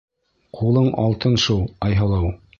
Ҡулың алтын шул, Айһылыу!